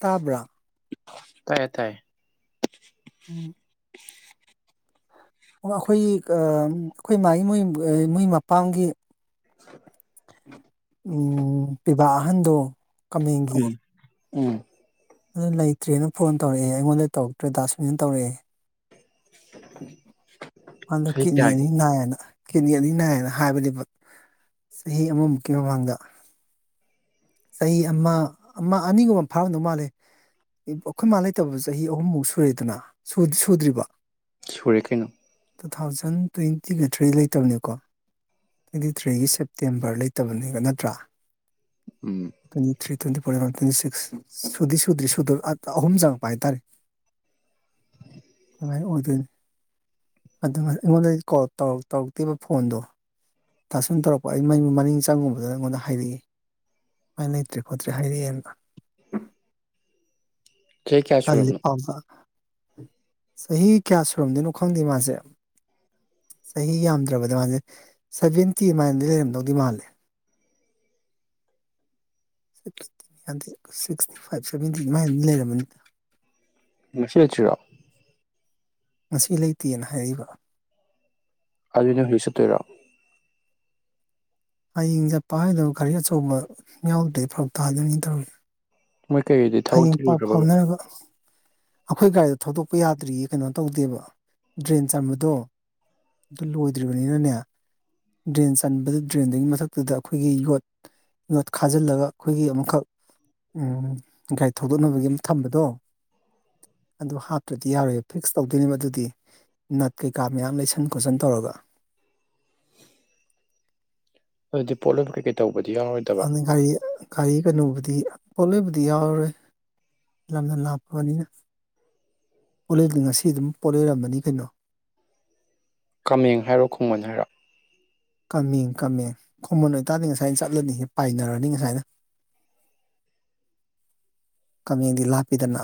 ꯇꯥꯕ꯭ꯔꯥ ꯇꯥꯏꯌꯦ ꯇꯥꯏꯌꯦ ꯎꯝ ꯑꯩꯈꯣꯏꯒꯤ ꯑꯩꯈꯣꯏ ꯃꯥꯒꯤ ꯃꯣꯏ ꯃꯣꯏ ꯃꯄꯝꯒꯤ [unintelligible] ꯎꯝ ꯄꯤꯕꯥꯥꯛ ꯑꯍꯟꯗꯣ ꯀꯃꯡꯒꯤ ꯎꯝ ꯎꯝ ꯑꯗꯨ ꯂꯩꯇ꯭ꯔꯦꯅ ꯐꯣꯟ ꯇꯧꯔꯛꯑꯦ ꯑꯩꯉꯣꯟꯗ ꯇꯧꯔꯛꯇ꯭ꯔꯦ ꯗꯥꯁꯃꯤꯅ ꯇꯧꯔꯛꯑꯦ ꯍꯟꯗ ꯆꯍꯤ ꯀꯤꯠꯅꯤ ꯀꯌꯥ ꯑꯅꯤ ꯅꯥꯏꯌꯦꯅ ꯀꯦꯟꯗꯤ ꯑꯅꯤ ꯅꯥꯏꯅ ꯍꯥꯏꯕꯗꯤ ꯆꯍꯤ ꯑꯃꯃꯨꯛꯀꯤ ꯃꯃꯥꯡꯗ ꯆꯍꯤ ꯑꯃ ꯑꯃ ꯑꯅꯤꯒꯨꯝꯕ ꯐꯥꯔꯝꯗꯧ ꯃꯥꯜꯂꯦ ꯑꯩꯈꯣꯏ ꯃꯥꯜ ꯂꯩꯇꯕꯁꯨ ꯆꯍꯤ ꯑꯍꯨꯝꯃꯨꯛ ꯁꯨꯔꯦꯗꯅ ꯁꯨꯗ꯭ꯔꯤꯕ ꯁꯨꯔꯦ ꯀꯩꯅꯣ ꯇꯨ ꯊꯥꯎꯖꯟ ꯇ꯭ꯋꯦꯟꯇꯤꯒ ꯊ꯭ꯔꯤ ꯂꯩꯇꯕꯅꯤꯀꯣ ꯇ꯭ꯋꯦꯟꯇꯤ ꯊ꯭ꯔꯤꯒꯤ ꯁꯦꯞꯇꯦꯝꯕꯔ ꯂꯩꯇꯕꯅꯤꯒ ꯅꯠꯇ꯭ꯔꯥ ꯎꯝ ꯀ ꯊ꯭ꯔꯤ ꯇ꯭ꯋꯦꯟꯇꯤ ꯐꯣꯔꯟ ꯇ꯭ꯋꯦꯟꯇꯤ ꯁꯤꯛꯁ ꯁꯨꯗꯤ ꯁꯨꯗ꯭ꯔꯤ ꯁꯨꯗ ꯑꯍꯨꯝ ꯆꯪꯉꯛꯄ ꯍꯥꯏꯇꯥꯔꯦ ꯑꯗꯨꯃꯥꯏꯅ ꯑꯣꯏꯗꯣꯏꯅꯤ ꯑꯗꯨ ꯑꯩꯉꯣꯟꯗ ꯀꯣꯜ ꯇꯧꯔꯛꯇꯣꯏꯕ ꯐꯣꯟꯗꯣ ꯇꯥꯁꯟ ꯇꯧꯔꯛꯄ ꯑꯩ ꯃꯅꯤꯡ ꯆꯪꯉꯨꯕꯗꯨꯅ ꯑꯩꯉꯣꯟꯗ ꯍꯥꯏꯔꯛꯏ ꯁꯨꯃꯥꯏꯅ ꯂꯩꯇ꯭ꯔꯦ ꯈꯣꯠꯇ꯭ꯔꯦ ꯍꯥꯏꯔꯛꯑꯦꯅ ꯆꯍꯤ ꯀꯌꯥ ꯀ ꯁꯨꯔꯕꯅꯣ ꯐꯥꯎ ꯆꯍꯤ ꯀꯌꯥ ꯁꯨꯔꯝꯗꯣꯏꯅꯣ ꯈꯪꯗꯦ ꯃꯥꯁꯦ ꯆꯍꯤ ꯌꯥꯝꯗ꯭ꯔꯕꯗ ꯃꯥꯁꯦ ꯁꯚꯦꯟꯇꯤ ꯑꯗꯨꯃꯥꯏꯅꯗꯤ ꯂꯩꯔꯝꯗꯧꯗꯤ ꯃꯥꯜꯂꯦ ꯇꯗ ꯁꯤꯛꯁꯇꯤ ꯐꯥꯏꯚ ꯁꯚꯦꯟꯇꯤ ꯑꯗꯨꯃꯥꯏ ꯂꯩꯔꯝꯃꯅꯤꯅ ꯁ ꯆꯔꯣ ꯉꯁꯤ ꯂꯩꯇꯦꯅ ꯍꯥꯏꯔꯤꯕ ꯑꯅ ꯍꯔꯤꯁ ꯇꯔ ꯍꯌꯦꯡ ꯆꯠꯄ ꯍꯥꯏꯗꯣ ꯈꯔꯤ ꯑꯆꯧꯕ ꯌꯥꯎꯗꯦ ꯐꯔ ꯇꯥꯗꯣꯏꯅꯤ ꯇꯧꯔꯤ ꯃꯣꯏ ꯀꯩꯀꯩꯗꯤ ꯊꯕꯛ ꯍꯌꯦꯡ ꯄꯥꯎ ꯊꯤꯔꯨꯈ꯭ꯔꯕꯒꯦ ꯐꯥꯎꯅꯔꯒ ꯑꯩꯈꯣꯏ ꯒꯥꯔꯤꯗ ꯊꯧꯗꯣꯛꯄ ꯌꯥꯗ꯭ꯔꯤꯌꯦ ꯀꯩꯅꯣ ꯇꯧꯗꯦꯕ ꯗ꯭ꯔꯦꯟ ꯆꯟꯕꯗꯣ ꯑꯗꯨ ꯂꯣꯏꯗ꯭ꯔꯤꯕꯅꯤꯅꯅꯦ ꯗ꯭ꯔꯦꯟ ꯆꯟꯕꯗꯨ ꯗ꯭ꯔꯦꯟꯗꯨꯒꯤ ꯃꯊꯛꯇꯨꯗ ꯑꯩꯈꯣꯏꯒꯤ ꯌꯣꯠ ꯌꯣꯠ ꯈꯥꯖꯤꯜꯂꯒ ꯑꯩꯈꯣꯏꯒꯤ ꯑꯃꯈꯛ ꯒꯥꯔꯤ ꯊꯧꯗꯣꯛꯅꯕꯒꯤ ꯑꯃ ꯊꯝꯕꯗꯣ ꯑꯗꯨ ꯍꯥꯞꯇ꯭ꯔꯗꯤ ꯌꯥꯔꯣꯏꯌꯦ ꯐꯤꯛꯁ ꯇꯧꯗꯣꯏꯅꯦꯕ ꯑꯗꯨꯗꯤ ꯅꯠ ꯀꯩꯀꯥ ꯃꯌꯥꯝ ꯂꯩꯁꯟ ꯈꯣꯠꯆꯟ ꯇꯧꯔꯒ ꯑꯗꯨꯗꯤ ꯄꯣꯂꯂꯣꯟ ꯀ꯭ꯀꯦꯠꯇꯧ ꯕꯗꯤꯌꯥ ꯑꯣꯏꯗꯕ ꯑꯗꯨꯅ ꯒꯥꯔꯤ ꯒꯥꯔꯤ ꯀꯩꯅꯣꯕꯨꯗꯤ ꯄꯣꯠꯂꯩꯕꯨꯗꯤ ꯌꯥꯎꯔꯔꯣꯏ ꯂꯝꯗ ꯂꯥꯞꯄꯕꯅꯤꯅ ꯄꯣꯠꯂꯩꯗꯤ ꯉꯁꯤ ꯑꯗꯨꯝ ꯄꯣꯠ ꯂꯩꯔꯝꯕꯅꯤ ꯀꯩꯅꯣ ꯀꯥꯃꯦꯡ ꯍꯥꯏꯔꯣ ꯈꯣꯡꯃꯟ ꯍꯥꯏꯔꯣ ꯀꯥꯃꯦꯡ ꯀꯥꯃꯦꯡ ꯈꯃꯟ ꯑꯣꯏꯇꯥꯗꯤ ꯉꯁꯥꯏ ꯆꯠꯂꯅꯤ ꯄꯥꯏꯅꯔꯅꯤ ꯉꯁꯥꯏꯅ ꯀꯥꯃꯦꯡꯗꯤ ꯂꯥꯞꯄꯤꯗꯅ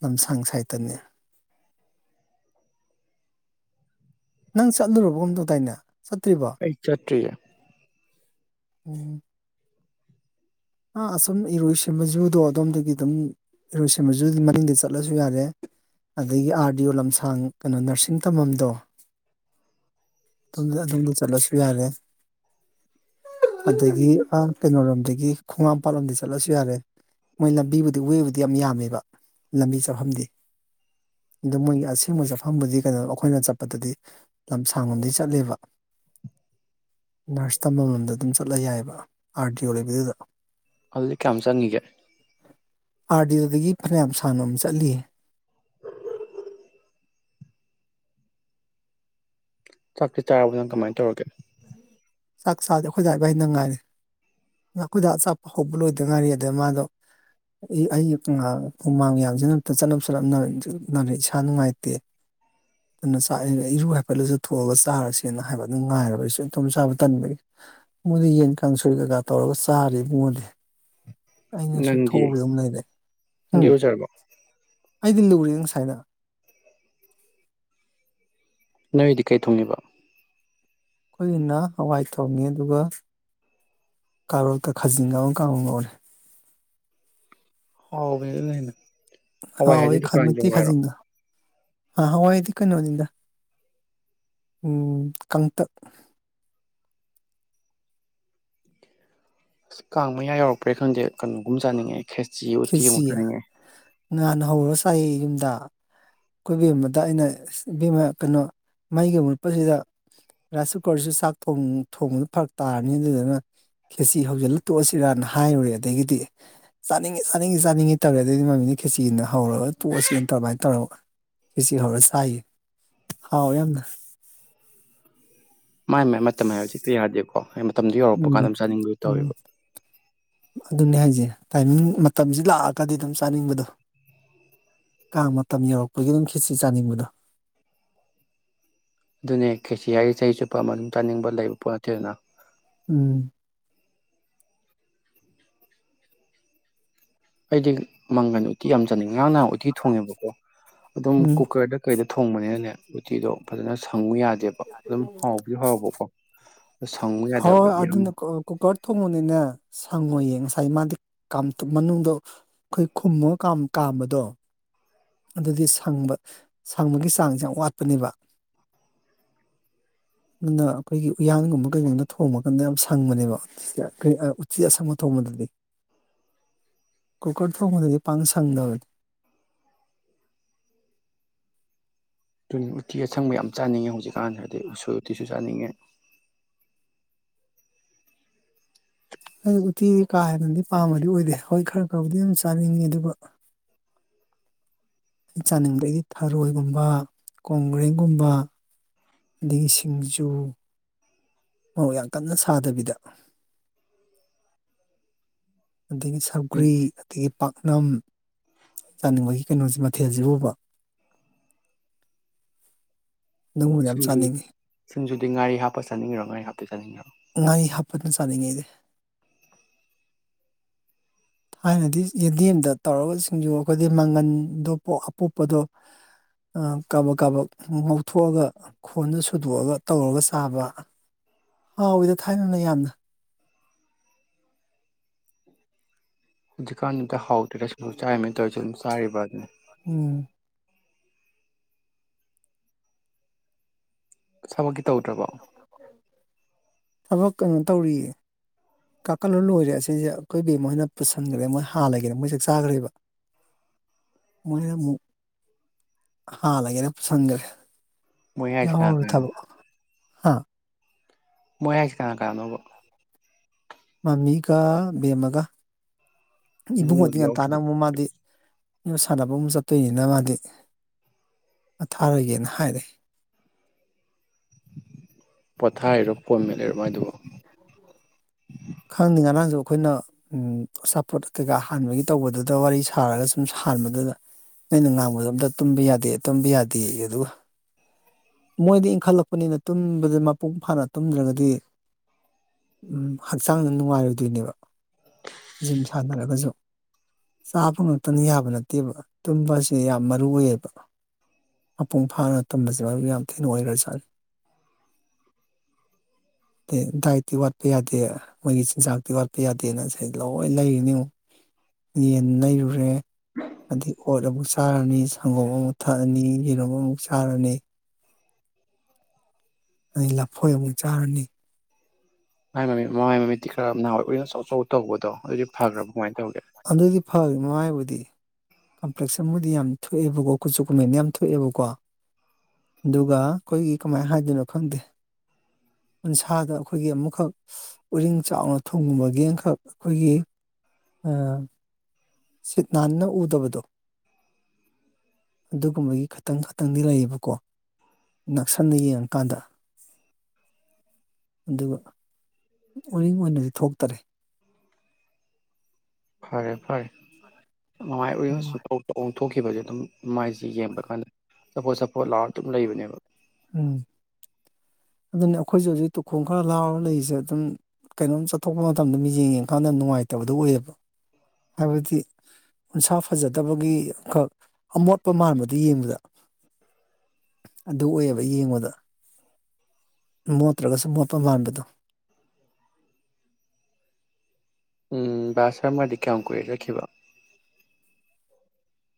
ꯂꯝꯁꯥꯡ ꯁꯥꯏꯠꯇꯅꯤ ꯅꯪ ꯆꯠꯂꯨꯔꯕ ꯑꯝꯇꯧꯗꯥꯏꯅ ꯑꯩ ꯆꯠꯇ꯭ꯔꯤꯌꯦ꯫ ꯎꯝ꯫ ꯑ ꯑꯁꯨꯝ ꯏꯔꯣꯏꯁꯃꯖꯨꯗꯣ ꯑꯗꯣꯝꯗꯒꯤ ꯑꯗꯨꯝ ꯏꯔꯣꯏꯁꯃꯖꯨꯒꯤ ꯃꯅꯨꯡꯗꯅꯤꯡꯡ ꯆꯠꯂꯁꯨ ꯌꯥꯔꯦ ꯑꯗꯒꯤ ꯑꯥꯔ ꯗꯤ ꯑꯣ ꯂꯝꯁꯥꯡ ꯀꯩꯅꯣ ꯅꯔꯁꯤꯡ ꯇꯝꯐꯝꯝꯗꯣ ꯑꯣꯝ ꯑꯗꯣꯝꯗ ꯆꯠꯂꯁꯨ ꯌꯥꯔꯦ ꯑꯗꯒꯤ ꯀꯩꯅꯣꯔꯣꯝꯗꯒꯤ ꯈꯣꯡꯉꯥꯝꯄꯥꯥꯠꯂꯣꯝꯗ ꯆꯠꯂꯁꯨ ꯌꯥꯔꯦ ꯃꯣꯏ ꯂꯝꯕꯤꯕꯨꯗꯤ ꯋꯦꯕꯨꯗꯤ ꯌꯥꯝ ꯌꯥꯝꯃꯦꯕ ꯂꯝꯕꯤ ꯆꯠꯐꯝꯗꯤ ꯑꯗꯣ ꯃꯣꯏꯒꯤ ꯑꯁꯦꯡꯕ ꯆꯠꯐꯝꯕꯨꯗꯤ ꯀꯩꯅꯣ ꯑꯩꯈꯣꯏꯅ ꯆꯠꯄꯗꯗꯤ ꯂꯝꯁꯥꯡꯂꯣꯝꯗꯩ ꯆꯠꯂꯦꯕ ꯅꯔꯁ ꯇꯝꯐꯝ ꯂꯣꯝꯗ ꯑꯗꯨꯝ ꯆꯠꯂ ꯌꯥꯏꯑꯕ ꯑꯥꯔ ꯗꯤ ꯑꯣ ꯂꯩꯕꯗꯨꯗ꯫ ꯑꯗꯨꯗꯤ ꯀꯌꯥꯝ ꯆꯪꯉꯤꯒꯦ? ꯑꯥꯔ ꯗꯤ ꯌꯣ ꯗꯒꯤ ꯐꯅꯌꯥꯝ ꯁꯡ ꯅꯥ ꯆꯠꯂꯤꯌꯦ꯫ ꯆꯥꯛꯇꯤ ꯆꯥꯔꯕ ꯅꯪ ꯀꯃꯥꯏꯅ ꯇꯧꯔꯒꯦ? ꯆꯥꯛ ꯆꯥꯗꯦ ꯑꯩꯈꯣꯏꯗ ꯏꯕꯥꯏꯅ ꯉꯥꯏꯔꯦ ꯑꯩꯈꯣꯏꯗ ꯑ ꯆꯥꯛꯄ ꯍꯧꯕ ꯂꯣꯏꯗ ꯉꯥꯏꯔꯤ ꯑꯗꯨꯗ ꯃꯥꯗꯣ ꯑꯩ ꯍꯨꯃꯥꯡ ꯌꯥꯡꯁꯤꯅ ꯑꯝ ꯆꯠꯅꯞ - ꯆꯠꯅꯝ ꯅꯥꯔꯦ ꯏꯁꯥ ꯅꯨꯡꯉꯥꯏꯇꯦ ꯑꯗꯨꯅ ꯆꯥꯛ ꯏꯔꯨ ꯍꯥꯏꯐꯦꯠꯂꯁꯨ ꯊꯣꯛꯑꯒ ꯆꯥꯔꯁꯤ꯫ ꯅ ꯍꯥꯏꯕ ꯑꯗꯨꯅꯨꯡ ꯉꯥꯏꯕ ꯑꯩꯁꯨꯦ ꯏꯇꯣꯝ ꯆꯥꯕ ꯇꯟꯕꯒꯤ ꯃꯣꯏꯗꯤ ꯌꯦꯟ ꯀꯥꯡ ꯁꯣꯏ ꯀꯩꯀꯥ ꯇꯧꯔꯒ ꯆꯥꯔꯣ ꯑꯦꯕꯨꯉꯣꯗꯤ? ꯑꯩꯅꯁꯨ ꯅꯪꯗꯤ ꯊꯣꯛꯎꯕ ꯑꯗꯨꯝ ꯂꯩꯔꯦ ꯅꯪꯗꯤ ꯎꯝ ꯏꯔꯨꯖꯔꯕꯣ ꯑꯩꯗꯤ ꯂꯨꯔꯤ꯫ [unintelligible] ꯅꯣꯏꯗꯤ ꯀꯩ ꯊꯣꯡꯉꯤꯕ? ꯑꯩꯈꯣꯏꯒꯤꯅ ꯍꯋꯥꯏ ꯊꯣꯡꯉꯦ ꯑꯗꯨꯒ ꯀꯥꯔꯣꯠꯀ ꯈꯥꯖꯤꯡ ꯑꯃ ꯀꯥꯡꯍꯧ ꯉꯧꯔꯦ꯫ ꯍꯥꯎꯕꯅꯦ ꯑꯗꯨꯅ ꯍꯦꯟꯅꯥ, ꯍꯋꯥꯏ ꯍꯥꯏꯗꯤ ꯗꯨꯀꯥꯟ ꯍꯥꯏꯔꯣ? ꯑ ꯍꯋꯥꯏꯗꯤ ꯀꯩꯅꯅꯣꯅꯤꯗ ꯎꯝ ꯀꯪꯇꯛ꯫ ꯑꯁ ꯀꯥꯡ ꯃꯌꯥ ꯌꯥꯎꯔꯛꯄ꯭ꯔꯦ ꯈꯪꯗꯦ ꯀꯩꯅꯣꯒꯨꯝ ꯆꯥꯅꯤꯡꯉꯦ꯫ ꯈꯦꯆꯤ ꯑꯣꯇꯤ ꯃꯅꯤꯡꯉꯦ꯫ ꯅꯍꯥꯟ ꯍꯧꯔꯨꯔ ꯆꯥꯏ ꯌꯨꯝꯗ ꯀꯣꯏꯕꯦꯝꯕꯗ ꯑꯩꯅ ꯑꯁ ꯑꯦꯕꯦꯝꯃꯥ ꯀꯩꯅꯣ ꯃꯩꯒꯤ ꯃꯨꯠꯄꯁꯤꯗ ꯔꯥꯏꯁ ꯀꯨꯀꯔꯁꯨ ꯆꯥꯛ ꯊꯣꯡꯕꯗ ꯐꯔꯛ ꯇꯥꯔꯅꯤ ꯑꯗꯨꯗꯨꯅ ꯈꯦꯁꯤ ꯍꯧꯖꯤꯜꯂ ꯇꯣꯛꯑꯁꯤꯔꯅ ꯍꯥꯏꯔꯨꯔꯦ ꯑꯗꯒꯤꯗꯤ ꯆꯥꯅꯤꯡ ꯆꯅꯤꯡꯉꯤ- ꯆꯥꯅꯤꯡꯉꯤ ꯆꯥꯅꯤꯡꯉꯤ ꯇꯧꯔꯦ ꯑꯗꯨꯗꯤ ꯃꯃꯤꯡꯅ ꯈꯦꯆꯤꯅ ꯍꯧꯔꯒ ꯇꯣꯛꯑꯁꯤꯅ ꯇꯧꯔꯃꯥꯏꯅ ꯇꯧꯔꯒ ꯈꯦꯆꯤ ꯍꯧꯔ ꯆꯥꯏ ꯍꯥꯎꯏ ꯌꯥꯝꯅ꯫ ꯃꯥꯏ - ꯃꯥꯏ ꯃꯇꯝ ꯍꯥꯏꯕ ꯖꯦ ꯍꯦꯛꯇ ꯌꯥꯗꯦꯀꯣ꯫ ꯃꯇꯝꯗꯨ ꯌꯧꯔꯛꯄ ꯀꯥꯟꯗ ꯎꯝ- ꯑꯗꯨꯝ ꯆꯥꯅꯤꯡꯕꯗꯨ ꯎꯝ ꯇꯧꯋꯦꯕ ꯑꯗꯨꯅꯦ ꯍꯥꯏꯖꯦ ꯫ ꯇꯥꯏꯃꯤꯡ ꯃꯇꯝꯁꯤ ꯂꯥꯛꯑꯒꯗꯤ ꯑꯗꯨꯝ ꯆꯥꯅꯤꯡꯕꯗꯣ ꯀꯥꯡ ꯃꯇꯝ ꯌꯧꯔꯛꯄꯒꯤ ꯑꯗꯨꯝ ꯈꯦꯆꯤ ꯆꯥꯅꯤꯡꯕꯗꯣ꯫ ꯑꯗꯨꯅꯦ ꯈꯦꯆꯤ ꯍꯥꯏꯗꯤ ꯆꯍꯤ ꯆꯨꯞꯄ ꯑꯃ ꯑꯗꯨꯝ ꯆꯥꯅꯤꯡꯕ ꯂꯩꯕ ꯄꯣꯠ ꯅꯠꯇꯦꯗꯅ꯫ ꯎꯝ꯫ ꯑꯩꯗꯤ ꯃꯪꯒꯟ ꯎꯠꯇꯤ ꯌꯥꯝ ꯆꯥꯅꯤꯡꯉꯦ꯫ ꯉꯥꯡ ꯅꯍꯥ ꯎꯇꯤ ꯊꯣꯡꯉꯦꯕꯀꯣ ꯑꯗꯨꯝ ꯎꯝ ꯀꯨꯀꯔꯗ ꯀꯩꯗ ꯊꯣꯡꯕꯅꯤꯅꯅꯦ ꯎꯇꯤꯗꯣ ꯐꯖꯅ ꯁꯪꯉꯨ ꯌꯥ ꯁꯪꯉꯨ ꯍꯣꯏ ꯌꯥꯗꯕꯒꯤ ꯑꯃ ꯑꯗꯨꯅ ꯀꯨꯀꯔ ꯊꯣꯡꯉꯗꯤꯅꯦ ꯁꯪꯉꯣꯏꯌꯦ ꯉꯁꯥꯏ ꯃꯥꯗꯤ ꯃꯅꯨꯡꯗ ꯑꯩꯈꯣꯏ ꯈꯨꯝꯃꯒ ꯀꯥꯝꯕꯗꯣ ꯑꯗꯨꯗꯤ ꯁꯪꯕ ꯁꯪꯕꯒꯤ ꯆꯥꯡꯁꯦ ꯌꯥꯝ ꯋꯥꯠꯄꯅꯦꯕ ꯑꯗꯨꯅ ꯑꯩꯈꯣꯏꯒꯤ ꯎꯌꯥꯟꯒꯨꯝꯕ ꯀꯩꯒꯨꯝꯕꯗ ꯊꯣꯡꯕ ꯀꯥꯟꯗ ꯌꯥꯝ ꯁꯪꯕꯅꯦꯕ ꯎꯆꯤ ꯑꯁꯪꯕ ꯊꯣꯡꯕꯗꯗꯤ ꯀꯨꯀꯔ ꯊꯣꯡꯕꯗꯗꯤ ꯄꯥꯛ ꯁꯪꯗꯕꯅꯤ꯫ ꯇꯨ ꯎꯇꯤ ꯑꯁꯪꯕ ꯌꯥꯝ ꯆꯥꯅꯤꯡꯉꯦ ꯍꯧꯖꯤꯛꯀꯥꯟꯗꯔꯗꯤ ꯎꯁꯣꯏ ꯎꯇꯤꯁꯨ ꯆꯥꯅꯤꯡꯉꯦ꯫ ꯑꯩ ꯎꯇꯤꯗꯤ ꯀꯥ ꯍꯦꯟ ꯅꯥꯗꯤ ꯄꯥꯝꯕꯗꯤ ꯑꯣꯏꯗꯦ ꯍꯣꯏ ꯈꯔ ꯈꯕꯨꯗꯤ ꯑꯗꯨꯝ ꯆꯥꯅꯤꯡꯉꯤ ꯑꯗꯨꯒ ꯑꯩꯅ ꯆꯥꯅꯤꯡꯕꯗꯒꯤ ꯊꯔꯣꯏꯒꯨꯝꯕ, ꯀꯣꯡꯒ꯭ꯔꯦꯡꯒꯨꯝꯕ ꯑꯗꯒꯤ ꯁꯤꯡꯖꯨ, ꯃꯔꯣꯛ ꯌꯥꯝ ꯀꯟꯅ ꯁꯥꯗꯕꯤꯗ꯫ ꯑꯗꯒꯤꯗꯒꯤ ꯁꯧꯒꯔꯤ ꯑꯗꯒꯤ ꯄꯥꯛꯅꯝ, ꯆꯥꯅꯤꯡꯕꯒꯤ ꯀꯩꯅꯣꯁꯤ ꯃꯊꯦꯜꯁꯤꯕꯨꯕ꯫ [unintelligible] ꯌꯥꯝ ꯁꯤꯡꯖꯨ ꯆꯥꯅꯤꯡꯉꯤ꯫ ꯁꯤꯡꯖꯨꯗꯤ ꯉꯥꯔꯤ ꯍꯥꯞꯄ ꯆꯅꯤꯉꯤꯔꯣ ꯉꯥꯔꯤ ꯍꯥꯞꯇ ꯆꯅꯤꯉꯤꯔꯣ? ꯉꯥꯔꯤ ꯍꯥꯞꯄꯅ ꯆꯥꯅꯤꯡꯉꯩꯗꯤ꯫ ꯑꯩꯅꯥꯗꯤ ꯌꯦꯟꯗꯦꯝꯗ ꯇꯧꯒꯁꯤꯡꯁꯨ ꯑꯩꯈꯣꯏꯗꯤ ꯃꯪꯒꯟꯗꯣ ꯑꯄꯣꯛꯄꯗꯣ ꯀꯕꯛ ꯀꯕꯛ ꯉꯧꯊꯣꯛꯑꯒ ꯈꯣꯟꯗ ꯁꯨꯗꯣꯛꯑꯒ ꯇꯧꯔꯒ ꯆꯥꯕ ꯍꯥꯎꯋꯤꯗ ꯊꯥꯏꯅꯅ ꯌꯥꯝꯅ ꯍꯧꯖꯤꯀꯥꯟ ꯍꯥꯎ ꯗꯔ꯭ꯦ ꯆꯔꯤꯃꯦ ꯇꯧꯔꯦꯁꯤ ꯎꯡ ꯆꯔꯤꯕꯥ ꯎꯝ ꯁꯃꯒꯤ ꯇꯧꯗꯔ꯭ꯕꯣ ꯊꯕꯛ ꯀꯩꯅꯣ ꯇꯧꯔꯤꯌꯦ ꯀꯥꯀꯠꯂ ꯂꯣꯏꯔꯦ ꯑꯁꯤꯁꯦ ꯑꯈꯣꯏꯕꯤ ꯃꯣꯏꯅ ꯄꯨꯁꯟꯈ꯭ꯔꯦ ꯃꯣꯏ ꯍꯥꯜꯂꯒꯦꯔ ꯃꯣꯏꯁꯥꯛ ꯆꯥꯈ꯭ꯔꯦꯕ ꯃꯣꯏꯅ ꯑꯃꯨꯛ ꯍꯥꯜꯂꯒꯦꯔ ꯄꯨꯁꯟꯈ꯭ꯔꯦ ꯃꯣꯏꯌꯥꯏ ꯇꯥꯗꯟ ꯍꯥꯥ ꯃꯣꯏ ꯍꯥꯁꯦ ꯀꯅꯥ ꯀꯥꯟꯅꯧꯕ ꯃꯃꯤꯒ ꯕꯦꯝꯃꯒ ꯏꯕꯨꯡꯉꯗꯤ ꯏꯕꯨꯡꯉꯣꯗꯤ ꯌꯥꯎꯗ꯭ꯔꯕꯣ ꯉꯟꯇꯥꯅꯥ ꯑꯃꯨꯛ ꯃꯗꯤ ꯉꯣꯟ ꯁꯥꯟꯅꯕ ꯑꯃ ꯆꯠꯇꯣꯏꯅꯤꯅ ꯃꯥꯗꯤ ꯄꯣꯊꯥꯔꯒꯦꯅ ꯍꯥꯏꯔꯦ ꯄꯊꯥꯏꯔꯣ ꯄꯨꯃꯤꯠ ꯈꯪꯗ ꯉꯔꯡ ꯁꯨ ꯑꯩꯈꯣꯏꯅ ꯎ ꯑꯆꯥꯄꯣꯠ ꯀꯩꯀꯥ ꯍꯥꯟꯕꯒꯤ ꯇꯧꯕꯗꯨꯗ ꯋꯥꯔꯤ ꯁꯥꯔꯒ ꯁꯨꯝ ꯁꯥꯟꯕꯗꯨꯗ ꯅꯣꯏꯩꯅ ꯉꯥꯡꯕꯗꯣ ꯑꯝꯇ ꯇꯨꯝꯕ ꯌꯥꯗꯦ ꯇꯨꯝꯕ ꯌꯥꯗꯦ ꯑꯗꯨꯒ ꯃꯣꯏꯗꯤ ꯏꯟꯈꯠꯂꯛꯄꯅꯤꯅ ꯇꯨꯝꯕꯗ ꯃꯄꯨꯡ ꯐꯥꯅ ꯇꯨꯝꯗ꯭ꯔꯒꯗꯤ ꯍꯛꯆꯥꯡꯗ ꯅꯨꯡꯉꯥꯏꯔꯣꯏꯗꯣꯏꯅꯦꯕ ꯖꯤꯝ ꯁꯥꯟꯅꯔꯒꯁꯨ ꯆꯥꯕ ꯉꯛꯇꯅ ꯌꯥꯕ ꯅꯠꯇꯦꯕ ꯇꯨꯝꯕꯁꯦ ꯌꯥꯝ ꯃꯔꯨ ꯑꯣꯏꯌꯦꯕ ꯃꯄꯨꯡ ꯐꯥꯅ ꯇꯨꯝꯁꯦ ꯃꯔꯨ ꯌꯥꯝ ꯊꯤꯅ ꯑꯣꯏꯔ ꯁꯥꯥꯅ ꯑꯗꯩ ꯗꯥꯏꯠꯇꯤ ꯋꯥꯠꯄ ꯌꯥꯗꯦ ꯃꯣꯏꯒꯤ ꯆꯤꯟꯖꯥꯛꯇꯤ ꯋꯥꯠꯄ ꯌꯥꯗꯦꯅ ꯁꯤ ꯂꯣꯏ ꯂꯩꯔꯤꯅꯤ ꯑꯃꯨꯛ ꯌꯦꯟ ꯅꯔꯨꯔꯦ ꯑꯗꯩ ꯑꯣꯠ ꯑꯃꯨꯛ ꯆꯥꯔꯅꯤ ꯁꯪꯒꯣꯝ ꯑꯃꯨꯛ ꯊꯛꯑꯅꯤ ꯌꯦꯔꯨꯝ ꯑꯃꯨꯛ ꯆꯥꯔꯅꯤ ꯑꯩ ꯂꯐꯣꯏ ꯑꯃꯨꯛ ꯆꯥꯔꯅꯤ ꯃꯥꯏ ꯃꯃꯤ ꯃꯥꯏ ꯃꯃꯤꯗꯤꯤ ꯈꯔ ꯅꯍꯋꯥꯏ ꯑꯣꯏꯅ ꯑꯆꯧ ꯑꯆꯧ ꯇꯧꯕꯗꯣ ꯑꯗꯨꯗꯤ ꯐꯈ꯭ꯔꯕ ꯀꯃꯥꯏꯅ ꯇꯧꯒꯦ ꯑꯗꯨ ꯗꯤ ꯐꯒꯔꯦ ꯃꯃꯥꯏꯕꯨꯗꯤ ꯀꯝꯄꯂꯦꯛꯁꯟ ꯌꯝ ꯊꯣꯛꯑꯕꯥꯀꯣ ꯀꯨꯆꯨ ꯀꯨꯃꯦꯟ ꯌꯥꯝ ꯊꯣꯛꯑꯦꯕꯀꯣ ꯑꯗꯨꯒ ꯑꯩꯈꯣꯏꯒꯤ ꯀꯃꯥꯏꯅ ꯍꯥꯏꯗꯣꯏꯅꯣ ꯈꯪꯗꯦ ꯎꯟꯁꯥꯗ ꯑꯩꯈꯣꯏꯒꯤ ꯑꯃꯨꯛꯈꯛ ꯎꯔꯤꯡ ꯆꯥꯎꯅ ꯊꯣꯡꯒꯨꯝꯕꯒꯤ ꯑꯃꯈꯛ ꯑꯩꯈꯣꯏꯒꯤ ꯑꯥ ꯁꯤꯠ ꯅꯥꯟꯅ ꯎꯗꯕꯗꯣ ꯑꯗꯨꯒꯨꯝꯕꯒꯤ ꯈꯇꯪ ꯈꯇꯪꯗꯤ ꯂꯩꯌꯦꯕꯀꯣ ꯅꯛꯁꯟꯅ ꯌꯦꯡꯉꯀꯥꯟꯗ ꯑꯗꯨꯒ ꯑꯣꯏꯅꯤꯡꯡ ꯑꯣꯏꯅꯗꯤ ꯊꯣꯛꯇꯔꯦ ꯐꯔꯦ ꯐꯔꯦ ꯃꯃꯥꯏ ꯎꯔꯤꯡ ꯅꯨꯡꯉꯥꯏ ꯁꯨꯡꯇꯧ ꯇꯧ ꯊꯣꯛꯈꯤꯕꯁꯦ ꯑꯗꯨꯝ ꯃꯥꯏꯁꯤꯦ ꯌꯦꯡꯕ ꯀꯥꯟꯗ ꯆꯄꯣꯠ ꯆꯄꯣꯠ ꯂꯥꯎꯔ ꯑꯗꯨꯝ ꯂꯩꯕꯅꯦꯕ ꯎꯝ ꯑꯗꯨꯅꯤ ꯑꯩꯈꯣꯏꯁꯨꯦ ꯍꯧꯖꯤꯛ ꯇꯨꯈꯣꯡ ꯈꯔ ꯂꯥꯎꯔꯒ ꯂꯩꯔꯤꯁꯦ ꯑꯗꯨꯝ ꯀꯩꯅꯣꯝ ꯆꯠꯊꯣꯛꯄ ꯃꯇꯝꯗ ꯃꯤꯠ ꯌꯦꯡ ꯌꯦꯡꯀꯥꯟꯗ ꯅꯨꯡꯉꯥꯏꯇꯕꯗꯣ ꯑꯣꯏꯌꯦꯕ ꯍꯥꯏꯕꯗꯤ ꯎꯟꯁꯥ ꯐꯖꯗꯕꯒꯤꯈꯛ ꯑꯃꯣꯠꯄ ꯃꯥꯟꯕꯗꯨ ꯌꯦꯡꯕꯗ ꯑꯗꯨ ꯑꯣꯏꯌꯦꯕ ꯌꯦꯡꯉꯗ ꯃꯣꯠꯇ꯭ꯔꯒꯁꯨ ꯃꯣꯠꯄ ꯃꯥꯟꯕꯗꯣ ꯎꯝ ꯁꯔꯃꯁꯤ ꯀꯌꯥꯝ ꯀꯨꯏꯔꯦ ꯆꯠꯈꯤꯕꯥ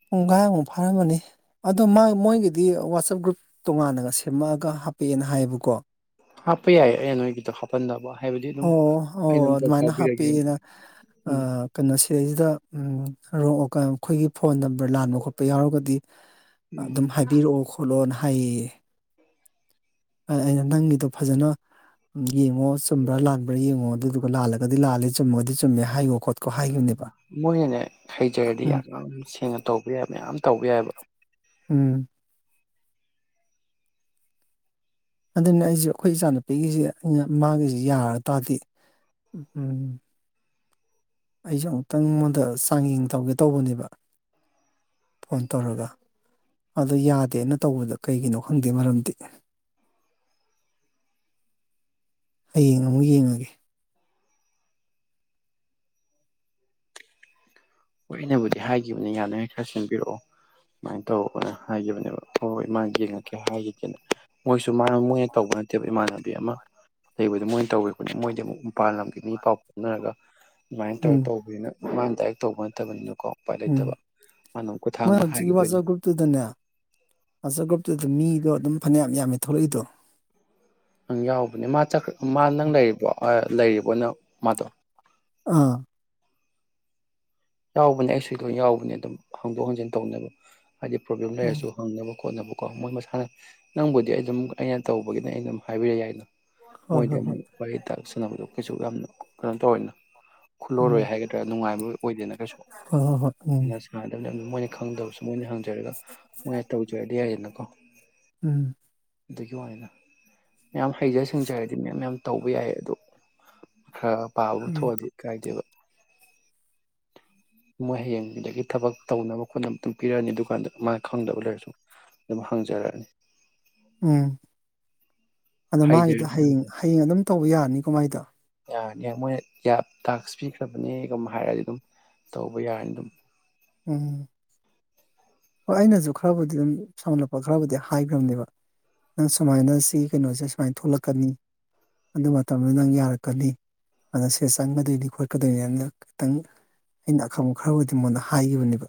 ꯄꯨꯡꯈꯥꯏꯃꯨꯛ ꯐꯥꯔꯝꯃꯅꯤ ꯑꯗꯣ ꯃꯣꯏꯒꯤꯗꯤ ꯋꯥꯆꯞ ꯒ꯭ꯔꯨꯞ ꯇꯣꯉꯥꯟꯅꯒ ꯁꯦꯝꯃꯛꯑꯒ ꯍꯥꯞꯄꯛꯑꯦꯅ ꯍꯥꯏꯌꯦꯕꯀꯣ ꯍꯥꯄꯤ ꯌꯥꯏ ꯑꯩꯅ ꯅꯣꯏꯒꯦꯗꯣ ꯍꯄ ꯄꯟꯗꯕꯥ ꯑꯣ ꯑꯣ ꯑꯗꯨꯃꯥꯏꯅ ꯍꯥꯞꯄꯤꯑꯦꯅ ꯎꯝ ꯑꯥ ꯀꯩꯅꯥ ꯁꯤꯗꯩꯁꯤꯗꯥ ꯔꯣ ꯑꯩꯈꯣꯏꯒꯤ ꯐꯣꯟ ꯅꯝꯕꯔ ꯂꯥꯟꯕ ꯈꯣꯠꯄ ꯌꯥꯎꯔꯒꯗꯤ ꯎꯝ ꯑꯗꯨꯝ ꯍꯥꯏꯕꯤꯔꯛꯑꯣ ꯈꯣꯠꯂꯣꯅ ꯍꯥꯏꯌꯦ ꯑꯩꯅ ꯅꯪꯒꯤꯗꯣ ꯐꯖꯅ ꯌꯦꯡꯉꯣ ꯆꯨꯝꯕ꯭ꯔꯥ ꯂꯥꯟꯕ꯭ꯔꯥ ꯌꯦꯡꯉꯣ ꯑꯗꯨꯗꯨꯒ ꯂꯥꯜꯂꯒꯗꯤ ꯂꯥꯜꯂꯦ ꯆꯨꯝꯃꯒꯗꯤ ꯆꯨꯝꯃꯦ ꯍꯥꯏꯌꯣ ꯈꯣꯠꯀ ꯃꯣꯏꯅꯅꯦ ꯍꯩꯖꯔꯗꯤ ꯎꯝ ꯌꯥꯝ ꯌꯥꯝ ꯁꯦꯡꯅ ꯇꯧꯕ ꯌꯥꯕꯅꯦ ꯌꯥꯝ ꯇꯧꯕ ꯌꯥꯏꯕ ꯎꯝ ꯑꯗꯨꯅ ꯑꯩꯁꯦ ꯑꯩꯈꯣꯏ ꯏꯆꯥꯅꯨꯄꯤꯒꯤꯁꯦ ꯃꯥꯒꯤꯁꯤ ꯌꯥꯔ ꯇꯥꯔꯗꯤ ꯎꯝ ꯑꯩꯁꯨ ꯑꯃꯨꯛꯇꯪ ꯃꯉꯣꯟꯗ ꯆꯥꯡꯌꯦꯡ ꯇꯧꯒꯦ ꯇꯧꯕꯅꯦꯕ ꯐꯣꯟ ꯇꯧꯔꯒ ꯑꯗꯣ ꯌꯥꯗꯦꯅ ꯇꯧꯕꯗ ꯀꯩꯒꯤꯅꯣ ꯈꯪꯗꯦ ꯃꯔꯝꯗꯤ ꯍꯌꯦꯡ ꯑꯃꯨꯛ ꯌꯦꯡꯉꯒꯦ ꯍꯣꯏ ꯑꯩꯅꯕꯨꯗꯤ ꯍꯥꯏꯒꯤꯈꯤꯕꯅꯤ ꯌꯥꯅꯉꯩ ꯈꯔ ꯁꯦꯝꯟꯕꯤꯔꯛꯑꯣ ꯁꯨꯃꯥꯏꯅ ꯇꯧꯔꯛꯑꯣꯅ ꯍꯥꯏꯈꯤꯕꯅꯦꯕ ꯍꯣꯏ ꯍꯣꯏ ꯃꯥ ꯌꯦꯡꯉꯛꯀꯦ ꯍꯥꯏꯈꯤꯒꯦꯅ ꯃꯣꯏ ꯁꯨ ꯃꯣꯏꯅ ꯇꯧꯕ ꯅꯠꯇꯦꯕ ꯏꯃꯥꯟꯅ ꯑꯃ ꯂꯩꯕꯗ ꯃꯣꯏꯅ ꯇꯧꯅꯤ ꯃꯣꯏꯗꯤ ꯑꯃꯨꯛ ꯃꯄꯥꯟ ꯂꯝꯒꯤ ꯃꯤ ꯄꯥꯎ ꯐꯥꯎꯅꯔꯒ ꯑꯗꯨꯃꯥꯏꯅ ꯇꯧꯔ ꯎꯝ ꯇꯧꯕꯅꯤꯅ ꯃꯥ [unintelligible] [unintelligible] ꯎꯝ ꯑꯃꯨꯛ ꯃꯣꯏ ꯈꯨꯊꯥꯡꯗ ꯍꯧꯖꯤꯛꯀꯤ ꯍꯥꯏꯈꯤꯗꯣꯏꯅꯦ ꯋꯥꯆꯞ ꯒ꯭ꯔꯨꯞꯇꯨꯗꯅꯦ ꯋꯥꯆꯞ ꯒ꯭ꯔꯨꯞꯇꯨꯗ ꯃꯤꯗꯣ ꯑꯗꯨꯝ ꯐꯅꯌꯥꯝ ꯌꯥꯝꯃꯤ ꯊꯣꯛꯂꯛꯏꯗꯣ ꯅꯪ ꯌꯥꯎꯕꯅꯦ ꯃꯥ ꯃꯥ ꯅꯪ ꯂꯩꯔꯤꯕꯣ ꯑꯥ ꯂꯩꯔꯤꯕꯅ ꯃꯥꯗꯣ ꯑꯥ ꯌꯥꯎꯕꯅꯦ ꯑꯩꯁꯨꯂꯣꯏ ꯌꯥꯎꯕꯅꯦ ꯑꯗꯨꯝ ꯍꯥꯡꯗꯣꯛ ꯍꯥꯡꯖꯤꯟ ꯇꯧꯅꯕ ꯍꯥꯏꯗꯤ ꯄ꯭ꯔꯣꯕ꯭ꯂꯦꯝ ꯎꯝ ꯂꯩꯔꯁꯨ ꯍꯪꯅꯕ ꯈꯣꯠꯅꯕ ꯀꯣ ꯃꯣꯏ ꯃꯁꯥꯅ ꯅꯪꯕꯨꯗꯤ ꯑꯩ ꯑꯗꯨꯝ ꯑꯩꯅ ꯇꯧꯕꯒꯤꯅꯦ ꯑꯩ ꯑꯗꯨꯝ ꯍꯥꯏꯕꯤꯔꯛ ꯌꯥꯏꯗ ꯍꯣꯏ ꯃꯣꯏꯗ ꯍꯣꯏ ꯍꯣꯏ ꯑꯃꯨꯛ ꯋꯥꯔꯤ ꯋꯥꯇꯥꯏ ꯁꯥꯅꯕꯗꯣ ꯀꯩꯁꯨ ꯌꯥꯝꯅ ꯀꯩꯅꯣ ꯇꯧꯋꯦꯅ ꯎꯝ ꯈꯨꯜꯂꯔꯣꯏ ꯍꯥꯏꯒꯗ꯭ꯔꯥ ꯅꯨꯡꯉꯥꯏꯕ ꯑꯣꯏꯗꯦꯅ ꯀꯩꯁꯨ ꯍꯣꯏ ꯍꯣꯏ ꯍꯣꯏ ꯑ ꯁꯥꯟꯅꯗꯕꯅꯦ ꯑꯗꯨ ꯃꯣꯏꯅ ꯈꯪꯗꯕꯁꯦ ꯃꯣꯏꯅ ꯍꯪꯖꯔꯒ ꯃꯣꯏꯅ ꯇꯧꯖꯔꯗꯤ ꯌꯥꯏꯌꯦꯗꯅꯀꯣ ꯎꯝ ꯎꯝ ꯑꯗꯨꯒꯤ ꯋꯥꯅ ꯃꯌꯥꯝ ꯍꯩꯖ ꯁꯤꯡꯖꯔꯗꯤ ꯃꯌꯥꯝ ꯌꯥꯝ ꯇꯧꯕ ꯌꯥꯏ ꯑꯗꯨꯣ ꯈꯔ ꯄꯥꯕꯕꯨ ꯎꯝ ꯎꯝ ꯊꯣꯛꯑꯗꯤ ꯀꯥꯏꯗꯦꯕ ꯃꯣꯏ ꯍꯌꯦꯡꯗꯒꯤ ꯊꯕꯛ ꯇꯧꯅꯕ ꯈꯣꯠꯅꯕ ꯑꯗꯨ ꯄꯤꯔꯛꯑꯅꯤ ꯑꯗꯨꯀꯥꯟꯗ ꯃꯥꯅ ꯈꯪꯗꯕ ꯂꯩꯔꯁꯨ ꯑꯗꯨꯝ ꯍꯪꯖꯔꯛꯑꯅꯤ ꯎꯝ ꯑꯗꯣ ꯃꯥꯒꯤꯗꯣ ꯍꯩꯖꯔꯗꯤ ꯌꯥꯝ ꯍꯌꯦꯡ ꯍꯌꯦꯡ ꯑꯗꯨꯝ ꯇꯧꯕ ꯌꯥꯔꯅꯤ ꯀꯃꯥꯏꯗ ꯌꯥꯔꯅꯤ ꯃꯣꯏꯅ ꯇꯥꯛꯁ ꯄꯤꯈ꯭ꯔꯕꯅꯦ ꯑꯗꯨꯝ ꯍꯥꯏꯔꯗꯤ ꯑꯗꯨꯝ ꯇꯧꯕ ꯌꯥꯔꯅꯤ ꯑꯗꯨꯝ ꯎꯝ ꯍꯣꯏ ꯑꯩꯅꯁꯨ ꯈꯔꯕꯨꯗꯤ ꯑꯗꯨꯝ ꯁꯥꯎꯃꯜꯂꯛꯄ ꯈꯔꯕꯨꯗꯤ ꯍꯥꯏꯈ꯭ꯔꯕꯅꯦꯕ ꯅꯪ ꯁꯨꯃꯥꯏꯅ ꯁꯤꯒꯤ ꯀꯩꯅꯣꯁꯦ ꯁꯨꯃꯥꯏꯅ ꯊꯣꯛꯂꯛꯀꯅꯤ ꯑꯗꯨ ꯃꯇꯝꯗ ꯅꯪ ꯌꯥꯔꯛꯀꯅꯤ ꯑꯗ ꯁꯤ ꯆꯪꯒꯗꯣꯏꯅꯤ ꯈꯣꯠꯀꯗꯣꯏꯅꯤꯅ ꯈꯤꯇꯪ ꯑꯩꯅ ꯑꯈꯪꯕ ꯈꯔꯕꯨꯗꯤ ꯑꯩꯉꯣꯟꯗ ꯍꯥꯏꯈꯤꯕꯅꯦꯕ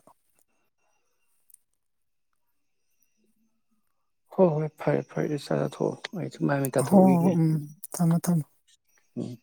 ꯍꯣ ꯍꯣꯏ ꯐꯔꯦ ꯐꯔꯦ ꯆꯔ ꯍ ꯑꯩ ꯁꯨ ꯃꯥꯏ ꯃꯤ ꯍꯣ ꯍꯣ ꯍꯣ ꯇꯥꯊꯣꯛꯎꯈꯤꯒꯦ ꯎꯝ ꯊꯝꯃꯣ ꯊꯝꯃꯣ ꯎꯝ